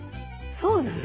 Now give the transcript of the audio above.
そうなの。